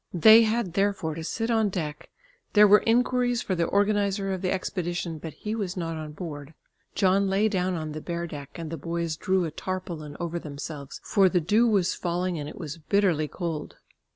They had therefore to sit on deck; there were inquiries for the organiser of the expedition, but he was not on board. John lay down on the bare deck and the boys drew a tarpaulin over themselves, for the dew was falling and it was bitterly cold.